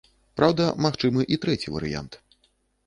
Праўда, магчымы і трэці варыянт.